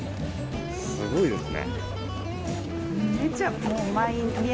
すごいですね。